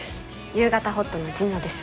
「夕方ほっと」の神野です。